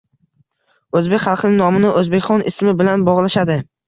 O’zbek xalqining nomini O’zbekxon ismi bilan bog’lashadi.